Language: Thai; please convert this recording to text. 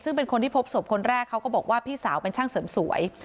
ซึ่งเป็นคนที่พบศพคนแรกเขาก็บอกว่าพี่สาวเป็นช่างเสริมสวย